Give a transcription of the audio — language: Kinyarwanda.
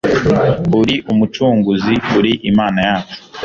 uri umucunguzi uri imana yacu